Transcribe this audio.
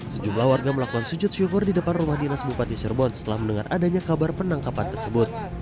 sejumlah warga melakukan sujud syukur di depan rumah dinas bupati cirebon setelah mendengar adanya kabar penangkapan tersebut